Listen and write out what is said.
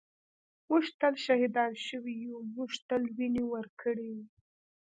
ًٍمونږ تل شهیدان شوي یُو مونږ تل وینې ورکــــړي